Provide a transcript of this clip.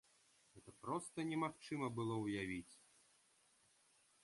Гэта проста немагчыма было ўявіць!